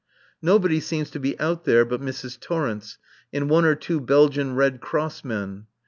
Nobody seems to be out there but Mrs. Torrence and one or two Belgian Red Cross men.